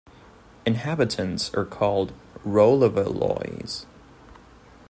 Inhabitants are called "Rolivalois".